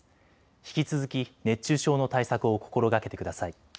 引き続き熱中症の対策を心がけてください。